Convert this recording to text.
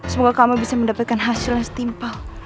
semoga kamu bisa mendapatkan hasil yang setimpal